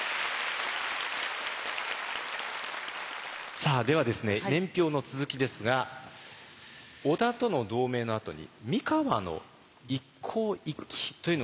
さあではですね年表の続きですが織田との同盟のあとに三河の一向一揆というのが起きています。